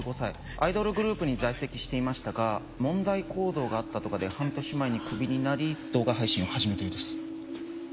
アイドルグループに在籍していましたが問題行動があったとかで半年前にクビになり動画配信を始めたようです。